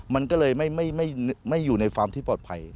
มันก็เลยไม่อยู่ในฟาร์มที่ปลอดภัย